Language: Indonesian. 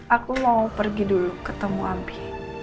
aku mau pergi dulu ketemu ambi